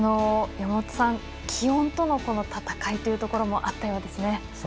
山本さん、気温との闘いというところもあったようですね。